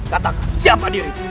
katakan siapa dirimu